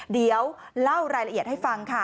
เดี๋ยวเล่ารายละเอียดให้ฟังค่ะ